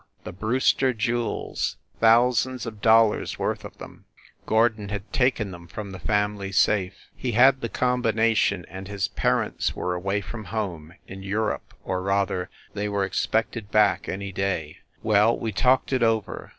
The Brewster jewels ... thousands of dollars worth of them. ... Gordon had taken them from the family safe. He had the combination, and his parents were away from home, in Europe, or rather, they were expected back any day. Well, we talked it over.